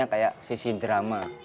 hanya kayak sisi drama